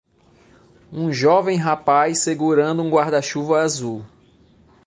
Um jovem rapaz segurando um guarda-chuva azul.